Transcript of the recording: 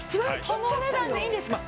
このお値段でいいんですか？